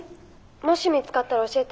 ☎もし見つかったら教えて。